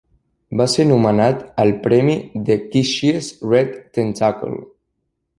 Va ser nomenat al premi The Kitschies Red Tentacle.